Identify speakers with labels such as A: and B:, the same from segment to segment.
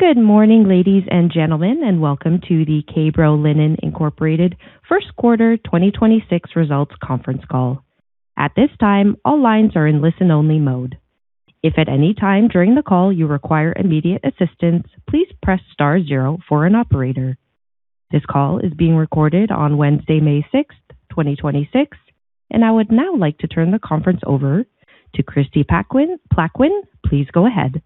A: Good morning, ladies and gentlemen, and welcome to the K-Bro Linen Inc. First Quarter 2026 Results Conference Call. At this time, all lines are in listen-only mode. If it any time during the call you require immediate assistance, please press star zero for an operator. This call is being recorded on Wednesday, May 6, 2026. I would now like to turn the conference over to Kristie Plaquin. Please go ahead.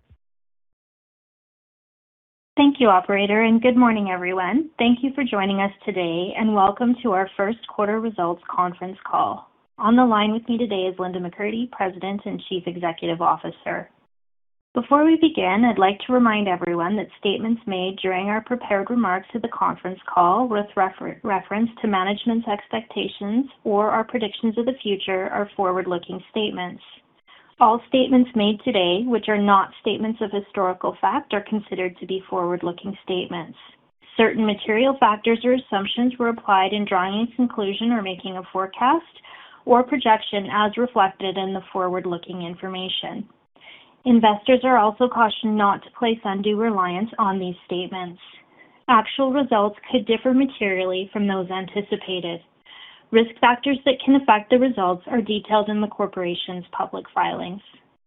B: Thank you, operator, and good morning, everyone. Thank you for joining us today and welcome to our first quarter results conference call. On the line with me today is Linda McCurdy, President and Chief Executive Officer. Before we begin, I'd like to remind everyone that statements made during our prepared remarks to the conference call with reference to management's expectations or our predictions of the future are forward-looking statements. All statements made today, which are not statements of historical fact, are considered to be forward-looking statements. Certain material factors or assumptions were applied in drawing a conclusion or making a forecast or projection as reflected in the forward-looking information. Investors are also cautioned not to place undue reliance on these statements. Actual results could differ materially from those anticipated. Risk factors that can affect the results are detailed in the corporation's public filings.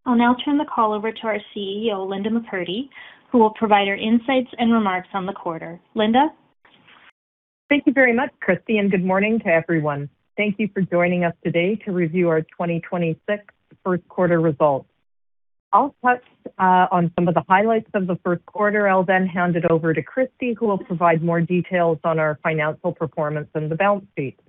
B: I'll now turn the call over to our CEO, Linda McCurdy, who will provide her insights and remarks on the quarter. Linda.
C: Thank you very much, Kristie, and good morning to everyone. Thank you for joining us today to review our 2026 first quarter results. I'll touch on some of the highlights of the first quarter. I'll then hand it over to Kristie, who will provide more details on our financial performance and the balance sheet.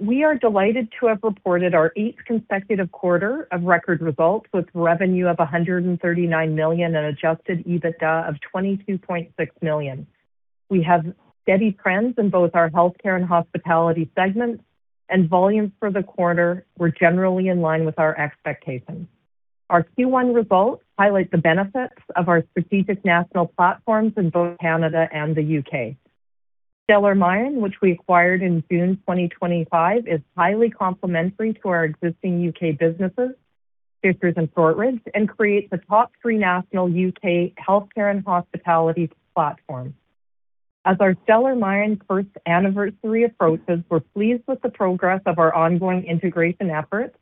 C: We are delighted to have reported our 8th consecutive quarter of record results with revenue of 139 million and adjusted EBITDA of 22.6 million. We have steady trends in both our healthcare and hospitality segments, and volumes for the quarter were generally in line with our expectations. Our Q1 results highlight the benefits of our strategic national platforms in both Canada and the U.K. Stellar Mayan, which we acquired in June 2025, is highly complementary to our existing U.K. businesses, Fishers and Shortridge, and creates a top three national U.K. healthcare and hospitality platform. As our Stellar Mayan 1st anniversary approaches, we're pleased with the progress of our ongoing integration efforts.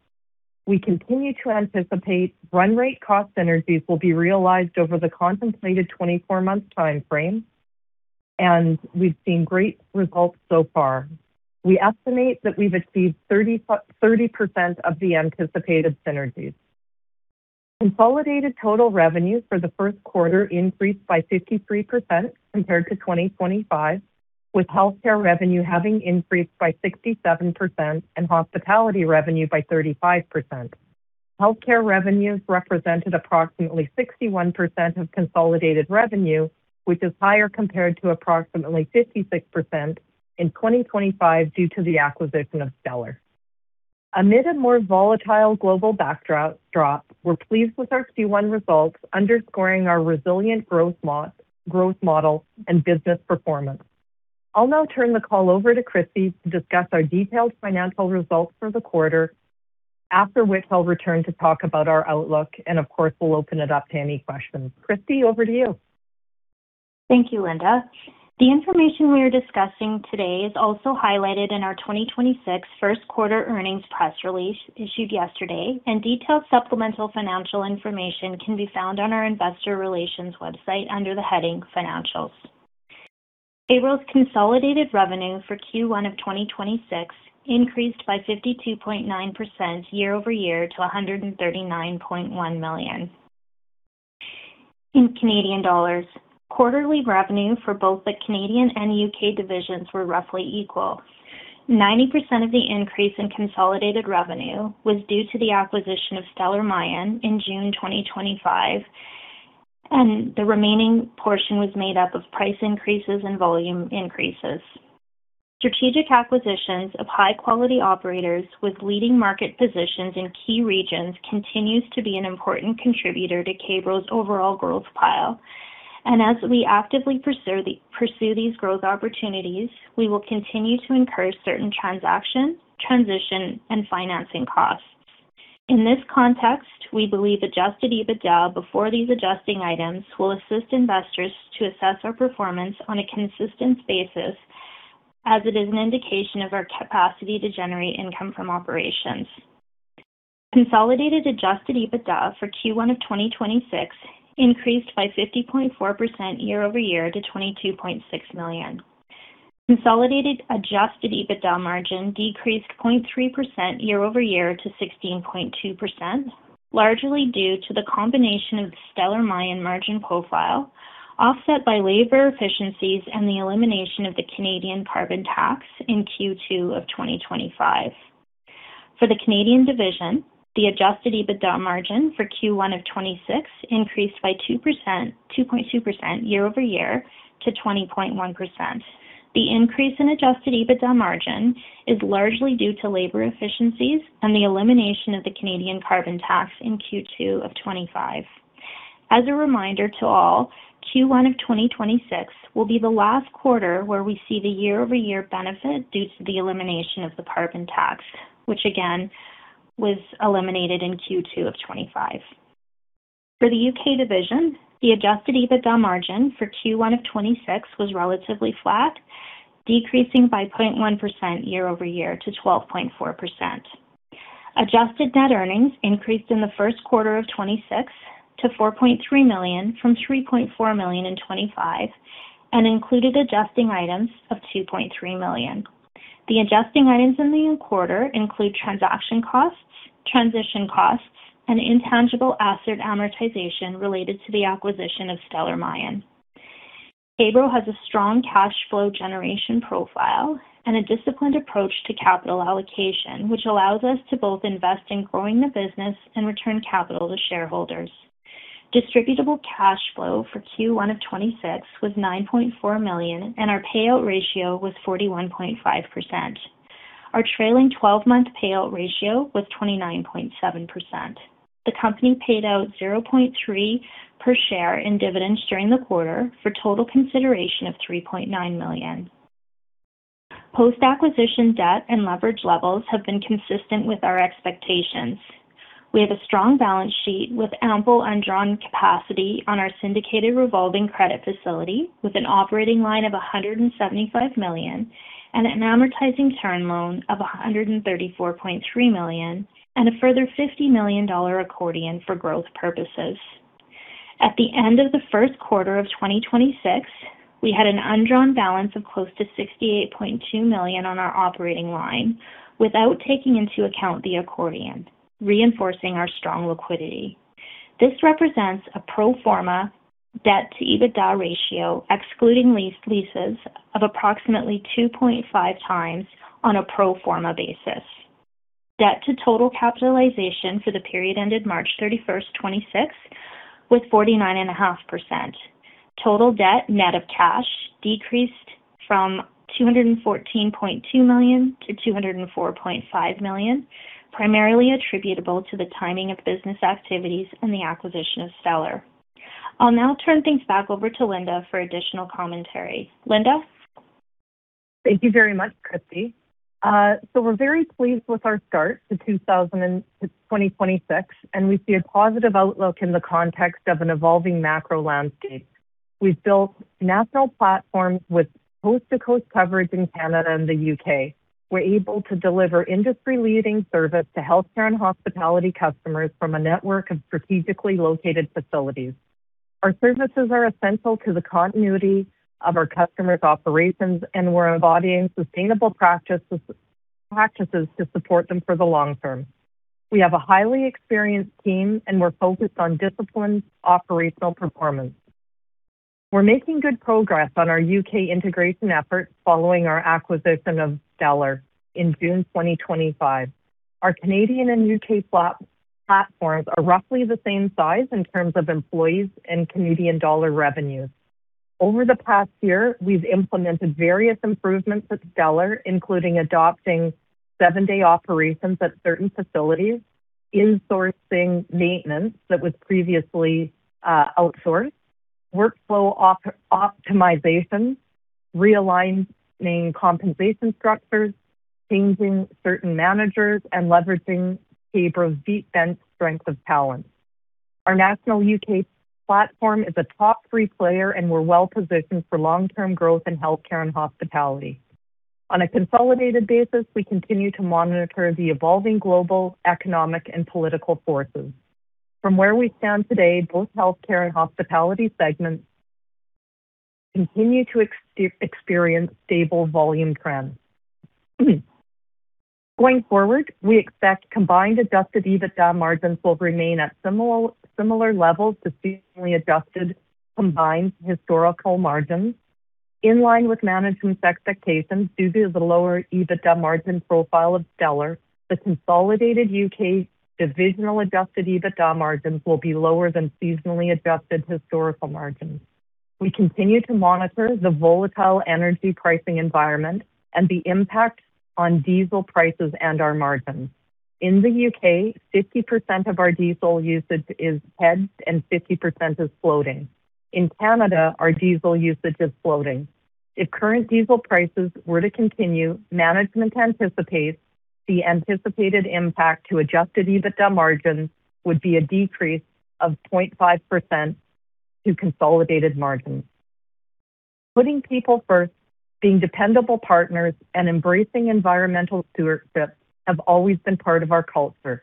C: We continue to anticipate run rate cost synergies will be realized over the contemplated 24-month timeframe, and we've seen great results so far. We estimate that we've exceeded 30% of the anticipated synergies. Consolidated total revenue for the first quarter increased by 53% compared to 2025, with healthcare revenue having increased by 67% and hospitality revenue by 35%. Healthcare revenues represented approximately 61% of consolidated revenue, which is higher compared to approximately 56% in 2025 due to the acquisition of Stellar. Amid a more volatile global backdrop, we're pleased with our Q1 results, underscoring our resilient growth model and business performance. I'll now turn the call over to Kristie, to discuss our detailed financial results for the quarter. After which I'll return to talk about our outlook, and of course, we'll open it up to any questions. Kristie, over to you.
B: Thank you, Linda. The information we are discussing today is also highlighted in our 2026 first quarter earnings press release issued yesterday, and detailed supplemental financial information can be found on our investor relations website under the heading Financials. K-Bro's consolidated revenue for Q1 of 2026 increased by 52.9% year-over-year to 139.1 million. Quarterly revenue for both the Canadian and U.K. divisions were roughly equal. 90% of the increase in consolidated revenue was due to the acquisition of Stellar Mayan in June 2025, and the remaining portion was made up of price increases and volume increases. Strategic acquisitions of high-quality operators with leading market positions in key regions continues to be an important contributor to K-Bro's overall growth profile. As we actively pursue these growth opportunities, we will continue to incur certain transactions, transition, and financing costs. In this context, we believe adjusted EBITDA before these adjusting items will assist investors to assess our performance on a consistent basis as it is an indication of our capacity to generate income from operations. Consolidated adjusted EBITDA for Q1 of 2026 increased by 50.4% year-over-year to 22.6 million. Consolidated adjusted EBITDA margin decreased 0.3% year-over-year to 16.2%, largely due to the combination of the Stellar Mayan margin profile, offset by labor efficiencies and the elimination of the Canadian carbon tax in Q2 of 2025. For the Canadian division, the adjusted EBITDA margin for Q1 of 2026 increased by 2.2% year-over-year to 20.1%. The increase in adjusted EBITDA margin is largely due to labor efficiencies and the elimination of the Canadian carbon tax in Q2 of 2025. As a reminder to all, Q1 of 2026 will be the last quarter where we see the year-over-year benefit due to the elimination of the carbon tax, which again was eliminated in Q2 of 2025. For the U.K. division, the adjusted EBITDA margin for Q1 of 2026 was relatively flat, decreasing by 0.1% year-over-year to 12.4%. Adjusted net earnings increased in the first quarter of 2026 to 4.3 million from 3.4 million in 2025 and included adjusting items of 2.3 million. The adjusting items in the quarter include transaction costs, transition costs, and intangible asset amortization related to the acquisition of Stellar Mayan. K-Bro has a strong cash flow generation profile and a disciplined approach to capital allocation, which allows us to both invest in growing the business and return capital to shareholders. Distributable cash flow for Q1 2026 was 9.4 million, and our payout ratio was 41.5%. Our trailing 12-month payout ratio was 29.7%. The company paid out 0.30 per share in dividends during the quarter, for a total consideration of 3.9 million. Post-acquisition debt and leverage levels have been consistent with our expectations. We have a strong balance sheet with ample undrawn capacity on our syndicated revolving credit facility with an operating line of 175 million and an amortizing term loan of 134.3 million and a further 50 million dollar accordion for growth purposes. At the end of the first quarter of 2026, we had an undrawn balance of close to 68.2 million on our operating line without taking into account the accordion, reinforcing our strong liquidity. This represents a pro forma debt-to-EBITDA ratio, excluding leased leases, of approximately 2.5 times on a pro forma basis. Debt to total capitalization for the period ended March 31st, 2026, was 49.5%. Total debt, net of cash, decreased from 214.2 million-204.5 million, primarily attributable to the timing of business activities and the acquisition of Stellar Mayan. I'll now turn things back over to Linda for additional commentary. Linda?
C: Thank you very much, Kristie. We're very pleased with our start to 2026, and we see a positive outlook in the context of an evolving macro landscape. We've built national platforms with coast-to-coast coverage in Canada and the U.K. We're able to deliver industry-leading service to healthcare and hospitality customers from a network of strategically located facilities. Our services are essential to the continuity of our customers' operations, and we're embodying sustainable practices to support them for the long term. We have a highly experienced team, and we're focused on disciplined operational performance. We're making good progress on our U.K. integration efforts following our acquisition of Stellar in June 2025. Our Canadian and U.K. platforms are roughly the same size in terms of employees and Canadian dollar revenues. Over the past year, we've implemented various improvements at Stellar, including adopting seven-day operations at certain facilities, insourcing maintenance that was previously outsourced, workflow optimization, realigning compensation structures, changing certain managers, and leveraging K-Bro's deep and strength of talent. Our national U.K. platform is a top three player, and we're well-positioned for long-term growth in healthcare and hospitality. On a consolidated basis, we continue to monitor the evolving global, economic, and political forces. From where we stand today, both healthcare and hospitality segments continue to experience stable volume trends. Going forward, we expect combined adjusted EBITDA margins will remain at similar levels to seasonally adjusted combined historical margins. In line with management's expectations, due to the lower EBITDA margin profile of Stellar, the consolidated U.K. divisional adjusted EBITDA margins will be lower than seasonally adjusted historical margins. We continue to monitor the volatile energy pricing environment and the impact on diesel prices and our margins. In the U.K., 50% of our diesel usage is hedged and 50% is floating. In Canada, our diesel usage is floating. If current diesel prices were to continue, management anticipates the anticipated impact to adjusted EBITDA margins would be a decrease of 0.5% to consolidated margins. Putting people first, being dependable partners, and embracing environmental stewardship have always been part of our culture.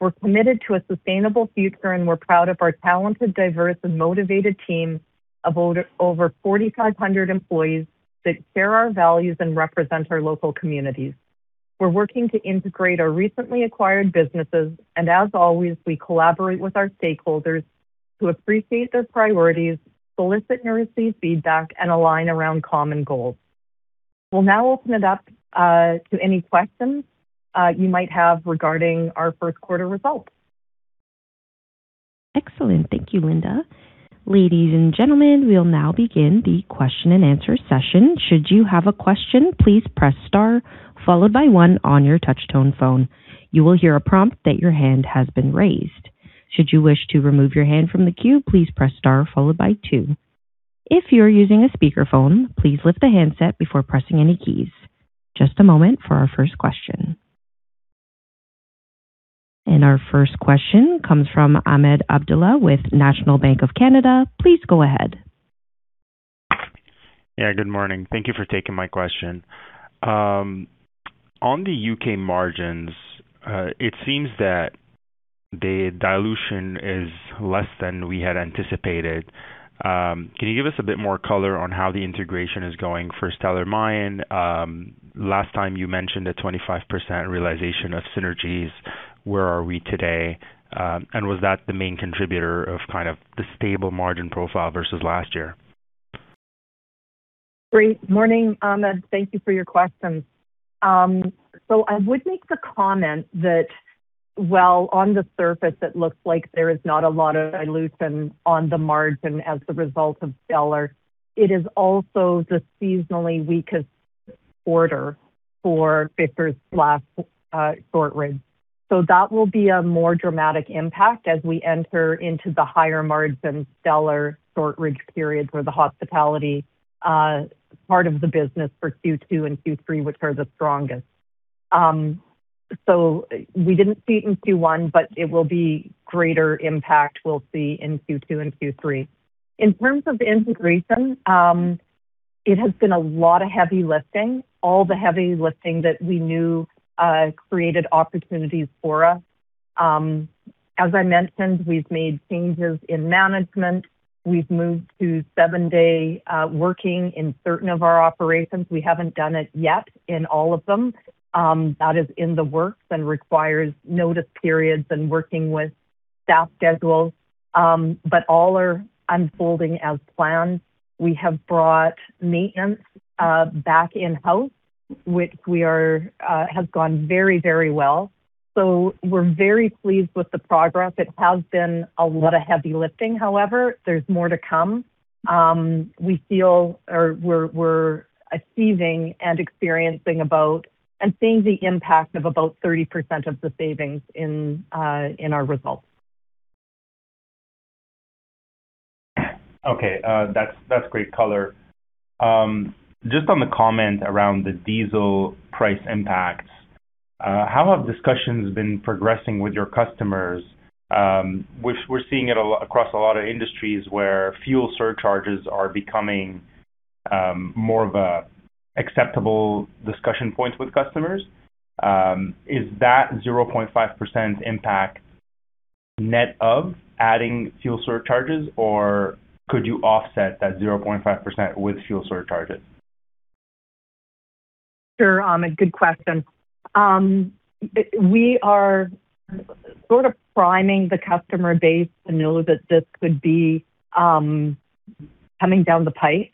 C: We're committed to a sustainable future, and we're proud of our talented, diverse, and motivated team of over 4,500 employees that share our values and represent our local communities. We're working to integrate our recently acquired businesses, and as always, we collaborate with our stakeholders to appreciate their priorities, solicit and receive feedback, and align around common goals. We'll now open it up to any questions you might have regarding our first quarter results.
A: Excellent. Thank you, Linda. Ladies and gentlemen, we'll now begin the question and answer session. Should you have a question, please press star followed by one on your touch-tone phone. You will hear a prompt that your hand has been raised. Should you wish to remove your hand from the queue, please press star followed by two. If you're using a speakerphone, please lift the handset before pressing any keys. Just a moment for our first question. Our first question comes from Ahmed Abdullah with National Bank of Canada. Please go ahead.
D: Yeah, good morning. Thank you for taking my question. On the U.K. margins, it seems that the dilution is less than we had anticipated. Can you give us a bit more color on how the integration is going for Stellar Mayan? Last time you mentioned a 25% realization of synergies. Where are we today? Was that the main contributor of kind of the stable margin profile versus last year?
C: Great. Morning, Ahmed. Thank you for your questions. I would make the comment that while on the surface it looks like there is not a lot of dilution on the margin as the result of Stellar, it is also the seasonally weakest quarter for Fishers last Shortridge. That will be a more dramatic impact as we enter into the higher-margin Stellar, Shortridge periods where the hospitality part of the business for Q2 and Q3, which are the strongest. We didn't see it in Q1, but it will be greater impact we'll see in Q2 and Q3. In terms of the integration, it has been a lot of heavy lifting, all the heavy lifting that we knew created opportunities for us. As I mentioned, we've made changes in management. We've moved to seven-day working in certain of our operations. We haven't done it yet in all of them. That is in the works and requires notice periods and working with staff schedules. All are unfolding as planned. We have brought maintenance back in-house, which has gone very, very well. So we're very pleased with the progress. It has been a lot of heavy lifting, however. There's more to come. We feel or we're achieving and experiencing about and seeing the impact of about 30% of the savings in our results.
D: Okay. That's great color. Just on the comment around the diesel price impacts, how have discussions been progressing with your customers? We're seeing it a lot across a lot of industries where fuel surcharges are becoming more of a acceptable discussion points with customers. Is that 0.5% impact net of adding fuel surcharges, or could you offset that 0.5% with fuel surcharges?
C: Sure, Ahmed. Good question. We are sort of priming the customer base to know that this could be coming down the pipe.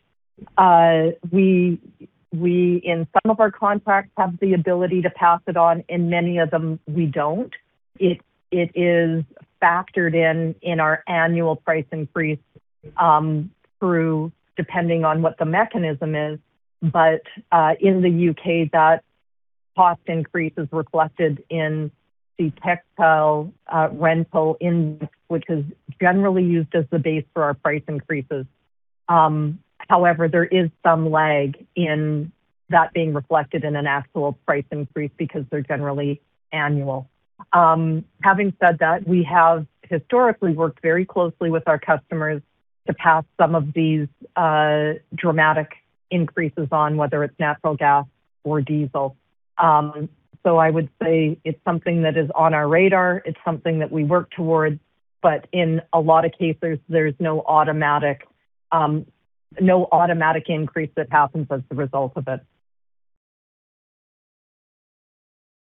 C: We, in some of our contracts, have the ability to pass it on. In many of them, we don't. It is factored in in our annual price increase, through depending on what the mechanism is. In the U.K. that cost increase is reflected in the textile rental index, which is generally used as the base for our price increases. However, there is some lag in that being reflected in an actual price increase because they're generally annual. Having said that, we have historically worked very closely with our customers to pass some of these dramatic increases on whether it's natural gas or diesel. I would say it's something that is on our radar. It's something that we work towards, in a lot of cases, there's no automatic increase that happens as a result of it.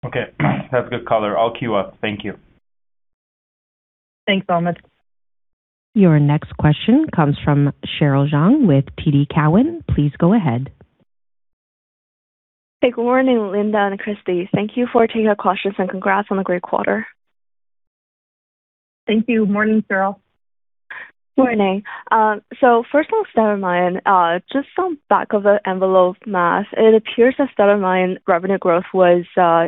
D: Okay. That's good color. I'll queue up. Thank you.
C: Thanks, Ahmed.
A: Your next question comes from Cheryl Zhang with TD Cowen. Please go ahead.
E: Hey, good morning, Linda and Kristie. Thank you for taking our questions, and congrats on a great quarter.
C: Thank you. Morning, Cheryl.
E: Morning. First on Stellar Mayan, just some back-of-the-envelope math, it appears that Stellar Mayan revenue growth was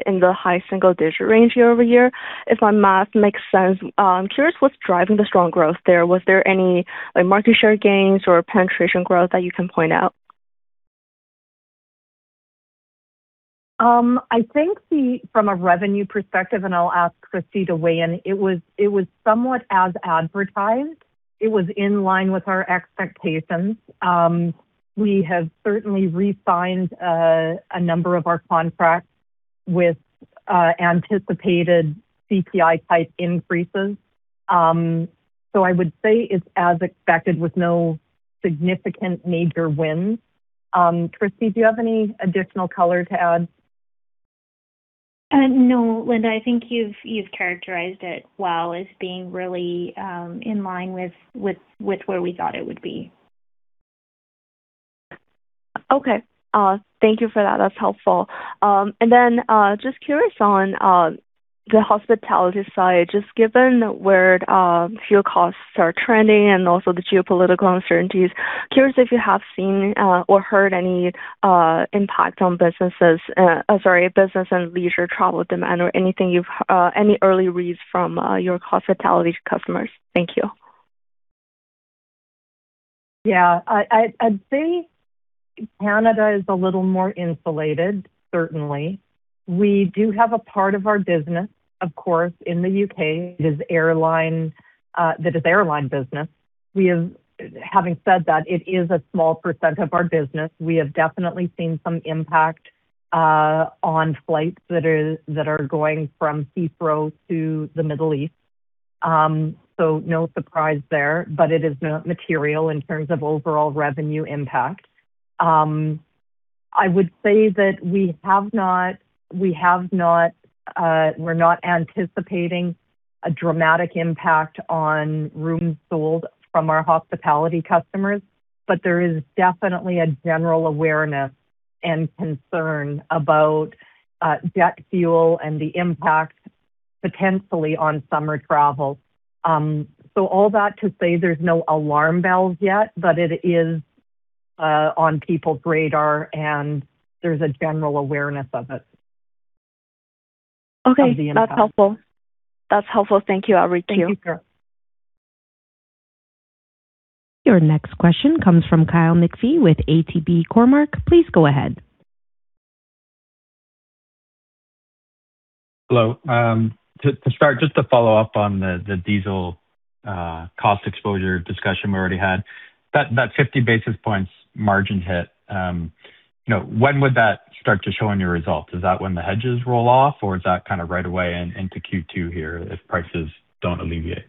E: in the high single-digit range year-over-year, if my math makes sense. I'm curious what's driving the strong growth there. Was there any, like, market share gains or penetration growth that you can point out?
C: I think from a revenue perspective, and I'll ask Kristie to weigh in, it was somewhat as advertised. It was in line with our expectations. We have certainly re-signed a number of our contracts with anticipated CPI-type increases. I would say it's as expected with no significant major wins. Kristie, do you have any additional color to add?
B: No, Linda. I think you've characterized it well as being really in line with where we thought it would be.
E: Okay. Thank you for that. That's helpful. Then just curious on the hospitality side, just given where fuel costs are trending and also the geopolitical uncertainties, curious if you have seen or heard any impact on businesses, sorry, business and leisure travel demand or any early reads from your hospitality customers. Thank you.
C: Yeah, I'd say, Canada is a little more insulated, certainly. We do have a part of our business, of course, in the U.K. It is airline business. Having said that, it is a small percent of our business. We have definitely seen some impact on flights that are going from Heathrow to the Middle East. No surprise there, it is not material in terms of overall revenue impact. I would say that we're not anticipating a dramatic impact on rooms sold from our hospitality customers. There is definitely a general awareness and concern about jet fuel and the impact potentially on summer travel. All that to say there's no alarm bells yet, but it is on people's radar, and there's a general awareness of it.
E: Okay.
C: Of the impact.
E: That's helpful. That's helpful. Thank you. I'll reach you.
C: Thank you, Cheryl.
A: Your next question comes from Kyle McPhee with ATB Cormark. Please go ahead.
F: Hello. Just to follow up on the diesel cost exposure discussion we already had. That 50 basis points margin hit, you know, when would that start to show in your results? Is that when the hedges roll off, or is that kind of right away in Q2 here if prices don't alleviate?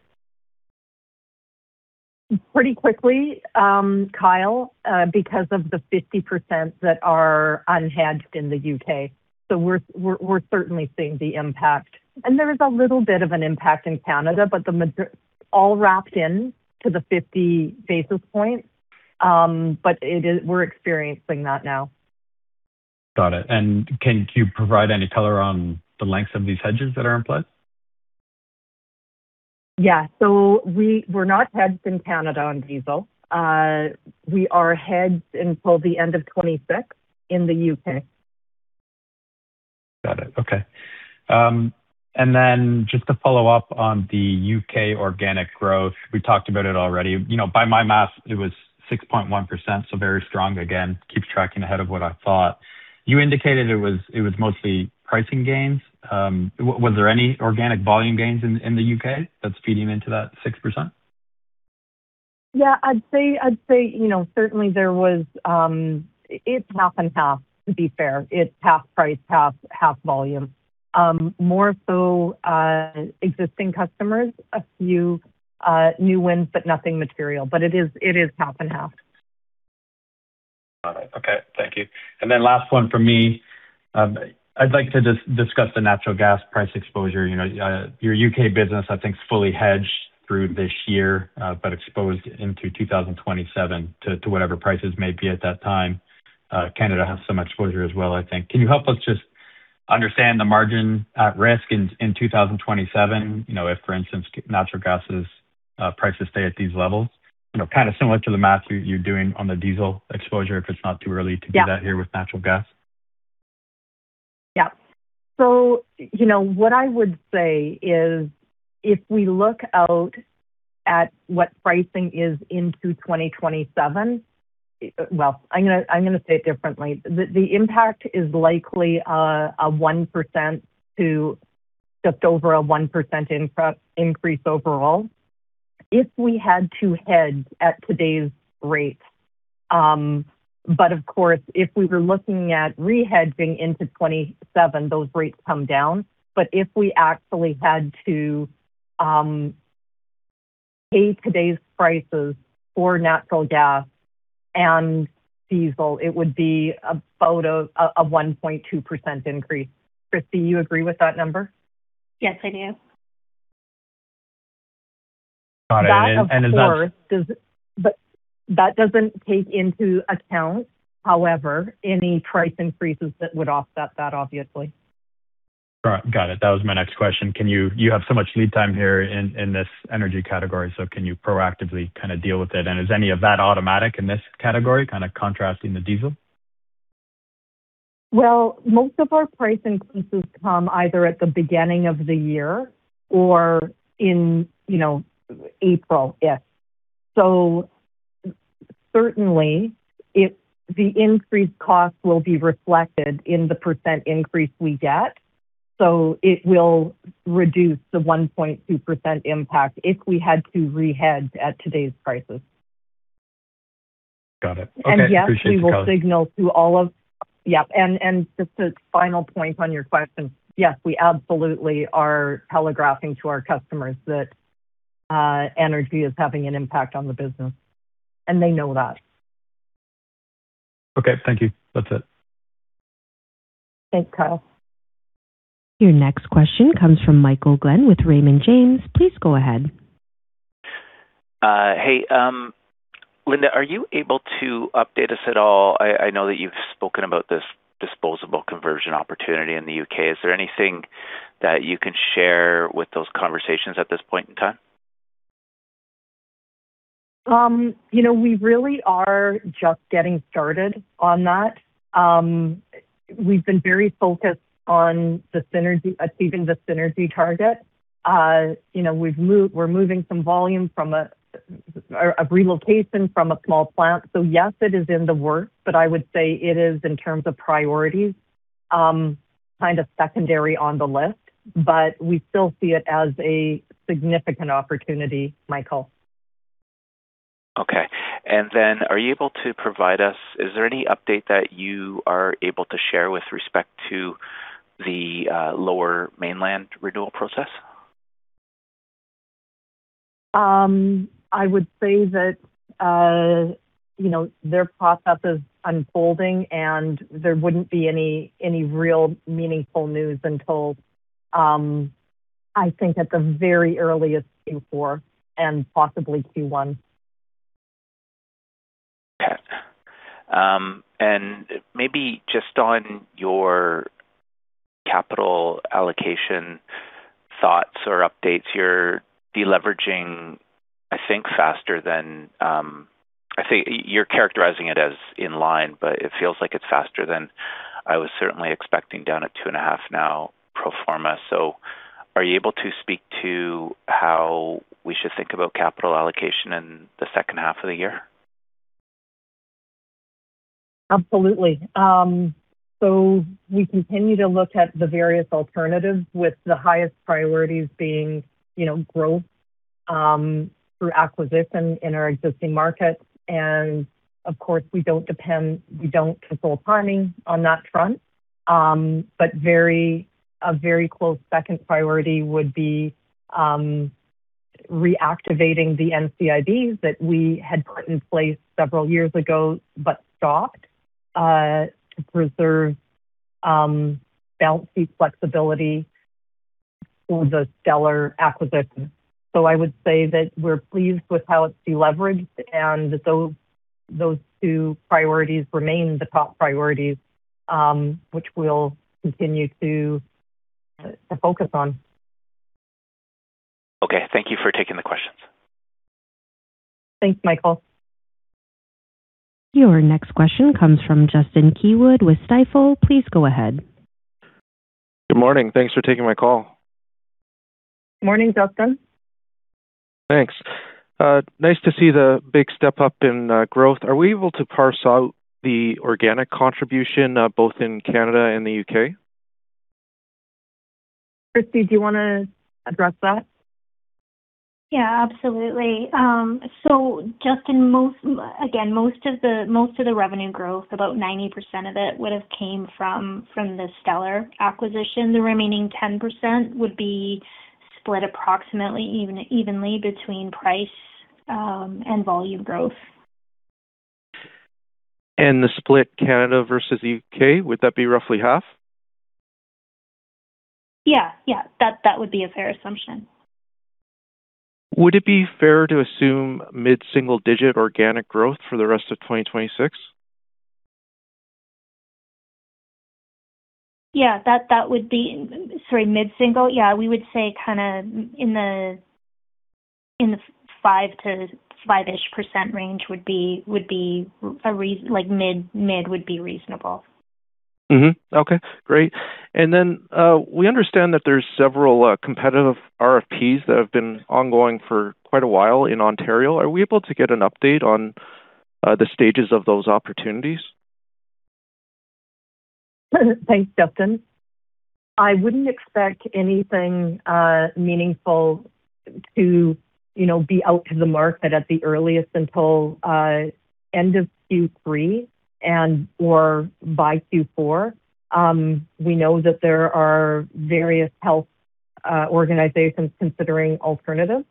C: Pretty quickly, Kyle, because of the 50% that are unhedged in the U.K. We're certainly seeing the impact. There is a little bit of an impact in Canada, but all wrapped into the 50 basis points. We're experiencing that now.
F: Got it. Can you provide any color on the lengths of these hedges that are in place?
C: Yeah. We're not hedged in Canada on diesel. We are hedged until the end of 2026 in the U.K.
F: Got it. Okay. Just to follow up on the U.K. organic growth. We talked about it already. You know, by my math, it was 6.1%. Very strong again. Keeps tracking ahead of what I thought. You indicated it was mostly pricing gains. Was there any organic volume gains in the U.K. that's feeding into that 6%?
C: I'd say, you know, it's half and half, to be fair. It's half price, half volume. More so, existing customers, a few new wins, but nothing material. It is half and half.
F: Got it. Okay. Thank you. Last one from me. I'd like to just discuss the natural gas price exposure. You know, your U.K. business I think is fully hedged through this year, but exposed into 2027 to whatever prices may be at that time. Canada has some exposure as well, I think. Can you help us just understand the margin at risk in 2027? You know, if, for instance, natural gas' prices stay at these levels. You know, kind of similar to the math you're doing on the diesel exposure, if it's not too early to do that here.
C: Yeah.
F: With natural gas.
C: Yeah. you know, what I would say is if we look out at what pricing is into 2027. Well, I'm gonna say it differently. The impact is likely a 1% to just over a 1% increase overall if we had to hedge at today's rates. Of course, if we were looking at re-hedging into 2027, those rates come down. If we actually had to pay today's prices for natural gas and diesel, it would be about a 1.2% increase. Kristie, you agree with that number?
B: Yes, I do.
F: Got it.
C: That, of course, that doesn't take into account, however, any price increases that would offset that, obviously.
F: All right. Got it. That was my next question. You have so much lead time here in this energy category, so can you proactively kind of deal with it? Is any of that automatic in this category, kind of contrasting the diesel?
C: Most of our price increases come either at the beginning of the year or in, you know, April, yes. Certainly the increased cost will be reflected in the percent increase we get. It will reduce the 1.2% impact if we had to re-hedge at today's prices.
F: Got it. Okay.
C: And yes we will signal to all of.
F: Appreciate the color.
C: Yeah. Just a final point on your question. Yes, we absolutely are telegraphing to our customers that energy is having an impact on the business, and they know that.
F: Okay. Thank you. That's it.
C: Thanks, Kyle.
A: Your next question comes from Michael Glen with Raymond James. Please go ahead.
G: Hey, Linda, are you able to update us at all? I know that you've spoken about this disposable conversion opportunity in the U.K. Is there anything that you can share with those conversations at this point in time?
C: You know, we really are just getting started on that. We've been very focused on the synergy, achieving the synergy target. You know, we're moving some volume from a relocation from a small plant. Yes, it is in the works, but I would say it is, in terms of priorities, kind of secondary on the list. We still see it as a significant opportunity, Michael.
G: Okay. Are you able to provide us, is there any update that you are able to share with respect to the lower mainland renewal process?
C: I would say that, you know, their process is unfolding, and there wouldn't be any real meaningful news until, I think at the very earliest Q4 and possibly Q1.
G: Okay. Maybe just on your capital allocation thoughts or updates, you're de-leveraging, I think, faster than I think you're characterizing it as in line, but it feels like it's faster than I was certainly expecting down at 2.5x now pro forma. Are you able to speak to how we should think about capital allocation in the second half of the year?
C: Absolutely. We continue to look at the various alternatives with the highest priorities being, you know, growth through acquisition in our existing markets. Of course, we don't control timing on that front. Very, a very close second priority would be reactivating the NCIB that we had put in place several years ago, but stopped to preserve balance sheet flexibility for the Stellar acquisition. I would say that we're pleased with how it's de-leveraged and that those two priorities remain the top priorities, which we'll continue to focus on.
G: Okay. Thank you for taking the questions.
C: Thanks, Michael.
A: Your next question comes from Justin Keywood with Stifel. Please go ahead.
H: Good morning. Thanks for taking my call.
C: Morning, Justin.
H: Thanks. Nice to see the big step up in growth. Are we able to parse out the organic contribution, both in Canada and the U.K.?
C: Kristie, do you wanna address that?
B: Yeah, absolutely. Justin, again, most of the revenue growth, about 90% of it would have came from the Stellar acquisition. The remaining 10% would be split approximately evenly between price, and volume growth.
H: The split Canada versus U.K., would that be roughly half?
B: Yeah. Yeah, that would be a fair assumption.
H: Would it be fair to assume mid-single digit organic growth for the rest of 2026?
B: Yeah, that would be mid-single? Yeah, we would say kinda in the 5% to 5-ish% range would be, like mid would be reasonable.
H: Okay, great. We understand that there's several competitive RFPs that have been ongoing for quite a while in Ontario. Are we able to get an update on the stages of those opportunities?
C: Thanks, Justin. I wouldn't expect anything meaningful to, you know, be out to the market at the earliest until end of Q3 and or by Q4. We know that there are various health organizations considering alternatives,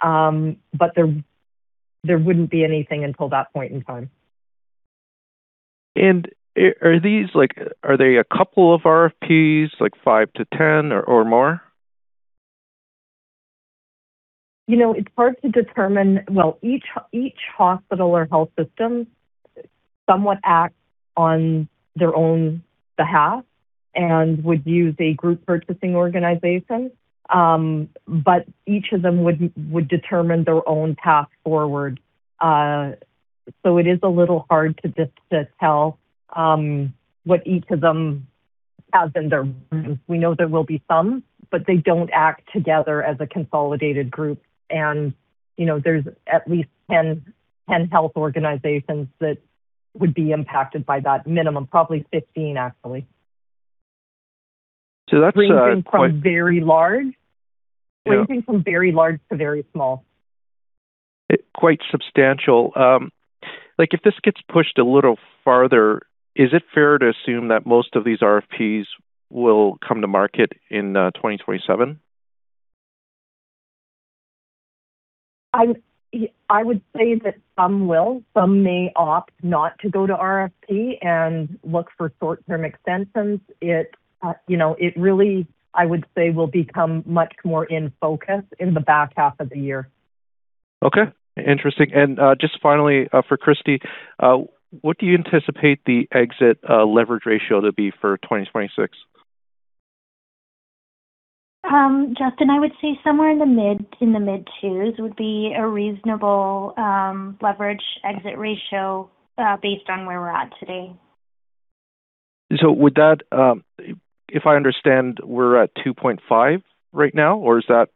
C: but there wouldn't be anything until that point in time.
H: Are they a couple of RFPs, like five to 10 or more?
C: You know, it's hard to determine Well, each hospital or health system somewhat acts on their own behalf and would use a group purchasing organization, but each of them would determine their own path forward. It is a little hard to just to tell what each of them has in their. We know there will be some, they don't act together as a consolidated group. You know, there's at least 10 health organizations that would be impacted by that minimum. Probably 15, actually.
H: That's.
C: Ranging from very large.
H: Yeah.
C: Ranging from very large to very small.
H: Quite substantial. like, if this gets pushed a little farther, is it fair to assume that most of these RFPs will come to market in 2027?
C: I would say that some will. Some may opt not to go to RFP and look for short-term extensions. It, you know, it really, I would say, will become much more in focus in the back half of the year.
H: Okay. Interesting. Just finally, for Kristie, what do you anticipate the exit leverage ratio to be for 2026?
B: Justin, I would say somewhere in the mid-twos would be a reasonable leverage exit ratio, based on where we're at today.
H: would that, If I understand, we're at 2.5 right now, or is that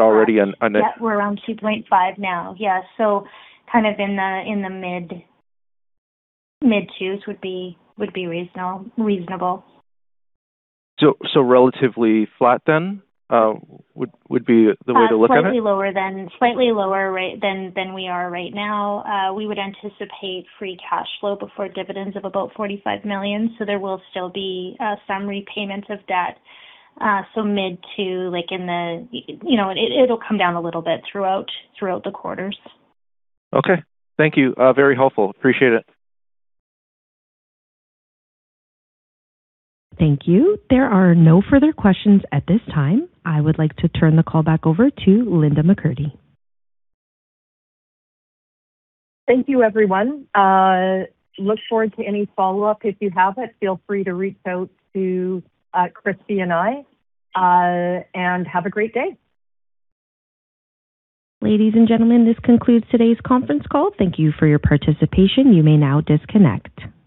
H: already in?
B: Yeah. We're around 2.5 now. Yeah. Kind of in the mid-twos would be reasonable.
H: Relatively flat then, would be the way to look at it?
B: Slightly lower, right, than we are right now. We would anticipate free cash flow before dividends of about 45 million. There will still be some repayment of debt, so mid to like in the You know, it'll come down a little bit throughout the quarters.
H: Okay. Thank you. Very helpful. Appreciate it.
A: Thank you. There are no further questions at this time. I would like to turn the call back over to Linda McCurdy.
C: Thank you, everyone. Look forward to any follow-up if you have it. Feel free to reach out to Kristie and I. Have a great day.
A: Ladies and gentlemen, this concludes today's conference call. Thank you for your participation. You may now disconnect.